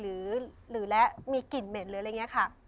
หรือและมีกลิ่นเหม็นหรืออะไรอย่างนี้ค่ะ